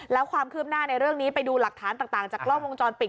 แล้วความคืบหน้าในเรื่องนี้ไปดูหลักฐานต่างจากกล้องวงจรปิด